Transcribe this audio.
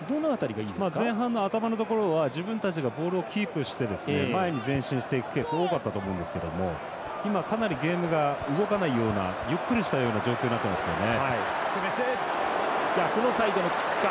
前半の頭のところは自分たちがボールをキープして、前に前進していってすごかったと思うんですけれども今、かなりゲームが動かないようなゆっくりしたような状況になっていますよね。